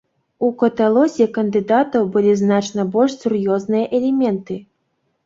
У каталозе кандыдатаў былі значна больш сур'ёзныя элементы.